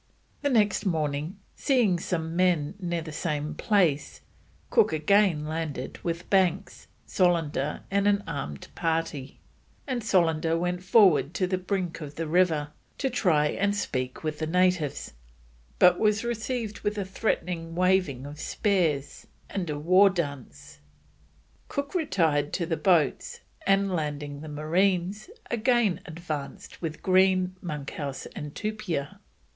The next morning, seeing some men near the same place, Cook again landed with Banks, Solander, and an armed party; and Solander went forward to the brink of the river to try and speak with the natives, but was received with a threatening waving of spears and a war dance. Cook retired to the boats, and landing the marines, again advanced with Green, Monkhouse, and Tupia.